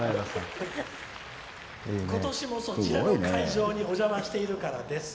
今年もそちらの会場にお邪魔しているからです」。